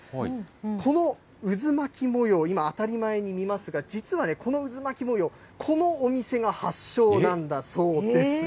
この渦巻き模様、今、当たり前に見ますが、実はね、この渦巻き模様、このお店が発祥なんだそうです。